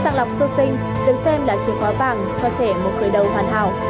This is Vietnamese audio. sàng lọc sơ sinh được xem là chìa khóa vàng cho trẻ một khởi đầu hoàn hảo